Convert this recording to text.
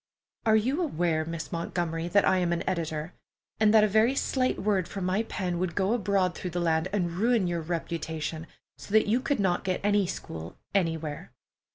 "Are you aware, Miss Montgomery, that I am an editor, and that a very slight word from my pen would go abroad through the land and ruin your reputation so that you could not get any school anywhere?"